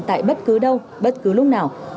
tại bất cứ đâu bất cứ lúc nào